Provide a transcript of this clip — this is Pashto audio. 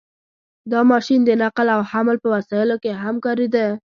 • دا ماشین د نقل او حمل په وسایلو کې هم کارېده.